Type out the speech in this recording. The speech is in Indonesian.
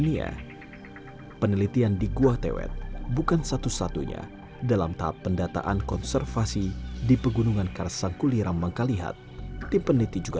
kalau di sulawesi selatan enggak ada